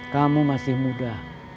kamu masih muda